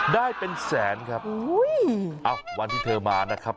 ได้เป็นแสนครับวันที่เธอมานะครับ